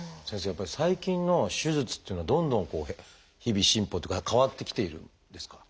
やっぱり最近の手術っていうのはどんどんこう日々進歩っていうか変わってきているんですか？